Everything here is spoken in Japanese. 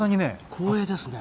光栄ですね。